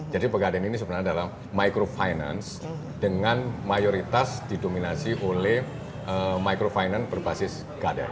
jadi pegadaian ini sebenarnya adalah microfinance dengan mayoritas didominasi oleh microfinance berbasis gada